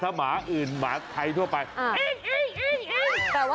ถ้าหมาอื่นหมาไทยทั่วไป